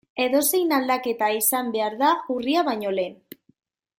Edozein aldaketa izan behar da urria baino lehen.